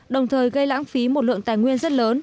đồng thời gây lãng phí một lượng tài nguyên rất lớn